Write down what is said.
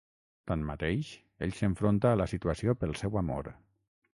Tanmateix, ell s'enfronta a la situació pel seu amor.